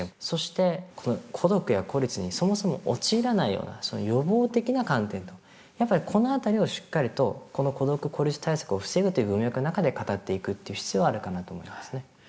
そして孤独や孤立にそもそも陥らないような予防的な観点とやっぱりこの辺りをしっかりとこの孤独・孤立対策を防ぐという文脈の中で語っていくっていう必要はあるかなと思いますね。